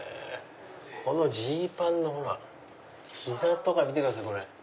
このジーパンの膝とか見てください。